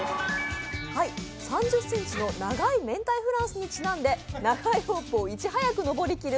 ３０ｃｍの長いめんたいフランスにちなんで長いロープをいち早く登りきる